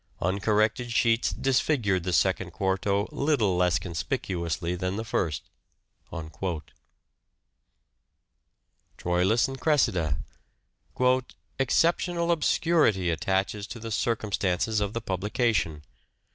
Uncorrected sheets disfigured the second quarto little less conspicuously than the first." " Troilus and Cressida "..." Exceptional obscurity attaches to the circumstances of the publication